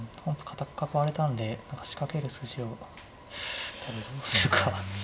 囲われたんで何か仕掛ける筋をどうするか。